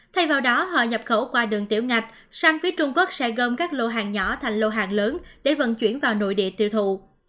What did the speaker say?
thay vào đó họ nhập khẩu qua đường tiểu ngạch sang phía trung quốc sẽ gom các lô hàng nhỏ thành lô hàng lớn để vận chuyển vào nội địa tiêu thụ